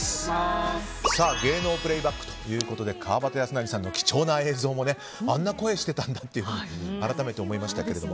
芸能プレイバックということで川端康成さんの貴重な映像もあんな声してたんだってあらためて思いましたけど。